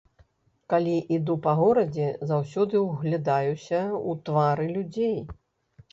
Калі іду па горадзе, заўсёды ўглядаюся ў твары людзей.